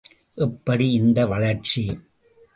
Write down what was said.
எப்படி இந்த வளர்ச்சி?